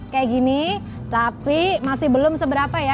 kayak gini tapi masih belum seberapa ya